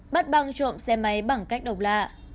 bắt băng trộm xe máy bằng cách độc lạ